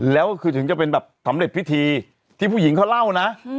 แล้วก็คือถึงจะเป็นแบบสำเร็จพิธีที่ผู้หญิงเขาเล่านะ